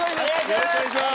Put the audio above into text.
よろしくお願いします！